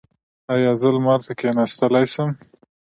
ایا زه لمر ته کیناستلی شم؟